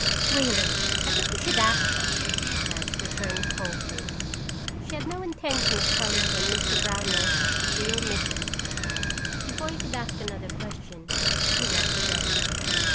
"Really, I think you should ask her," Madge returned coldly. She had no intention of telling him Mr. Brownell's real mission. Before he could ask another question, she walked away.